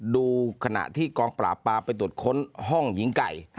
ดูขณะที่กองปราบปรามไปตรวจค้นห้องหญิงไก่